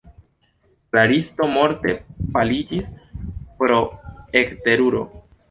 Klaristo morte paliĝis pro ekteruro.